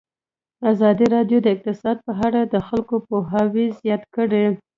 ازادي راډیو د اقتصاد په اړه د خلکو پوهاوی زیات کړی.